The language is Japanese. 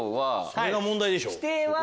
それが問題でしょ。